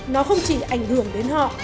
nó không chỉ ảnh hưởng đến họ